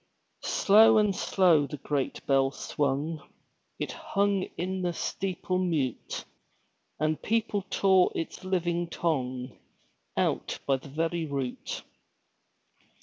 Slow and slow the great bell swung, It hung in the steeple mute; And people tore its living tongue Out by the very root.